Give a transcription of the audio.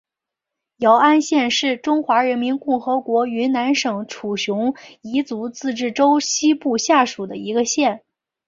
姚安县是中华人民共和国云南省楚雄彝族自治州西部下属的一个县。